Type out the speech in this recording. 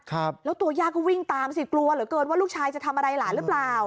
ครับแล้วตัวย่าก็วิ่งตามสิกลัวเหลือเกินว่าลูกชายจะทำอะไรหลานหรือเปล่า